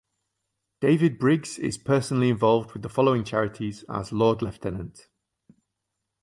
David Briggs is personally involved with the following Charities as Lord Lieutenant.